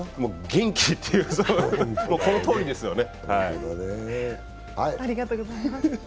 元気というか、もうこのとおりですね。